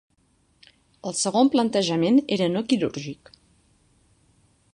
El segon plantejament era no quirúrgic.